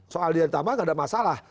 soal dia yang ditambah nggak ada masalah